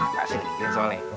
nggak sih mikirin soleh